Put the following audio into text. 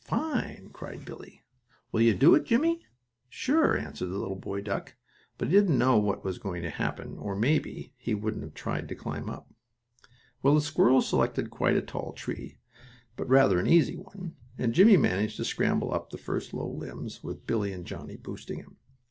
"Fine!" cried Billie. "Will you do it, Jimmie?" "Sure," answered the little boy duck, but he didn't know what was going to happen, or, maybe, he wouldn't have tried to climb up. Well, the squirrels selected quite a tall tree, but rather an easy one, and Jimmie managed to scramble up to the first low limbs, with Billie and Johnnie boosting him.